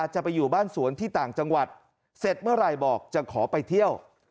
จะไปอยู่บ้านสวนที่ต่างจังหวัดเสร็จเมื่อไหร่บอกจะขอไปเที่ยว